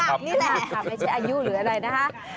ไม่ใช่อายุหรืออะไรนะฮะ